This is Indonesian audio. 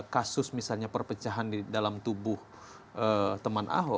kasus misalnya perpecahan di dalam tubuh teman ahok